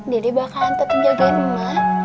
dede bakalan tetep jagain mak